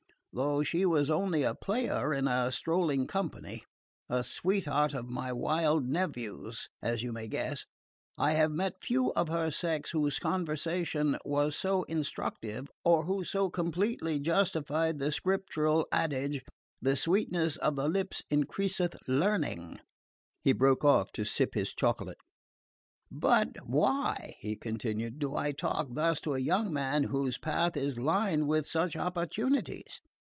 Though she was only a player in a strolling company a sweetheart of my wild nephew's, as you may guess I have met few of her sex whose conversation was so instructive or who so completely justified the Scriptural adage, "the sweetness of the lips increaseth learning..." He broke off to sip his chocolate. "But why," he continued, "do I talk thus to a young man whose path is lined with such opportunities?